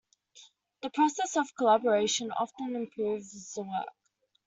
The process of collaboration often improves the work.